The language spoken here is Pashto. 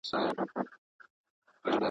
o اوړه ئې د مېچني، زامن ئې د چنچڼي.